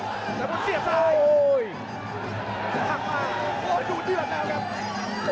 โอ้ดูเดื่อดอยู่ครับ